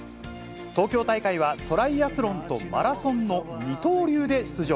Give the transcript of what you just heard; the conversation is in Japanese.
東京大会はトライアスロンとマラソンの二刀流で出場。